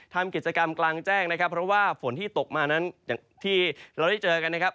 ทำกิจกรรมกลางแจ้งเพราะว่าฝนที่ตกมานั้นที่เราได้เจอกัน